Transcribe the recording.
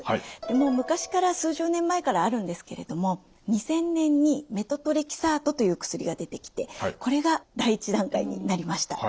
でもう昔から数十年前からあるんですけれども２０００年にメトトレキサートという薬が出てきてこれが第一段階になりました。